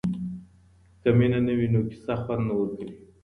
که مینه نه وي نو کیسه خوند نه ورکوي.